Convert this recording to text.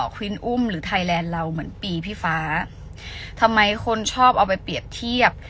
ควินอุ้มหรือไทยแลนด์เราเหมือนปีพี่ฟ้าทำไมคนชอบเอาไปเปรียบเทียบ